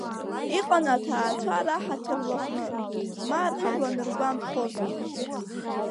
Иҟан аҭаацәа раҳаҭыр лаҟәны, ма рыжәла аныргәамԥхозгьы.